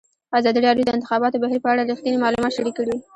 ازادي راډیو د د انتخاباتو بهیر په اړه رښتیني معلومات شریک کړي.